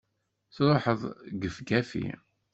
Truḥeḍ gefgafi!